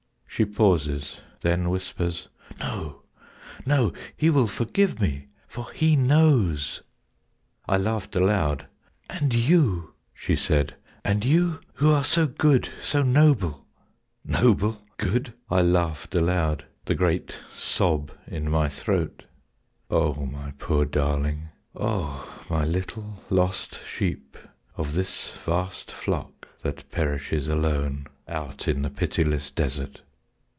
She pauses: then whispers: "No, no, He will forgive me, for He knows!" I laughed aloud: "And you," she said, "and you, Who are so good, so noble" ... "Noble? Good?" I laughed aloud, the great sob in my throat. O my poor darling, O my little lost sheep Of this vast flock that perishes alone Out in the pitiless desert!